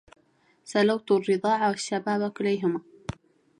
سلوت الرضاع والشباب كليهما